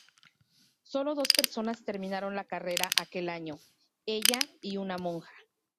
Solo dos personas terminaron la carrera aquel año: ella y una monja.